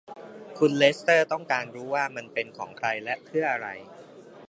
คุณเลสเตอร์ต้องการรู้ว่ามันเป็นของใครและเพื่ออะไร